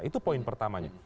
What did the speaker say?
itu poin pertamanya